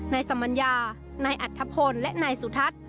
นายสมัญญานายอัธพลและนายสุทัศน์